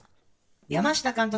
山下監督